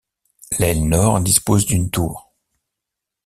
L'aile nord dispose d'une tour.